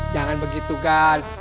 jangan begitu gan